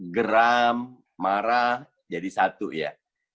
geram marah jadi satu ya